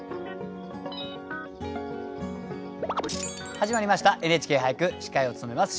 始まりました「ＮＨＫ俳句」司会を務めます